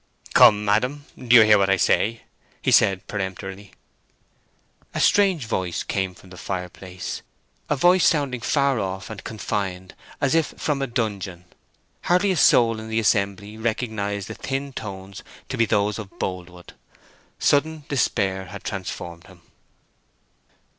"Come, madam, do you hear what I say?" he said, peremptorily. A strange voice came from the fireplace—a voice sounding far off and confined, as if from a dungeon. Hardly a soul in the assembly recognized the thin tones to be those of Boldwood. Sudden despair had transformed him.